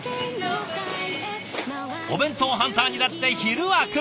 お弁当ハンターにだって昼はくる。